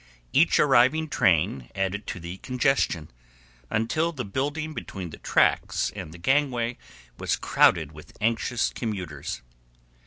Each arriving train added to the congestion, until the building between the tracks and the gangway was crowded with anxious commuters.